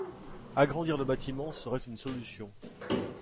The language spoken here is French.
Agrandir le bâtiment serait une solution.